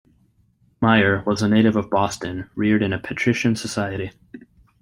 Meyer was a native of Boston, reared in a patrician society.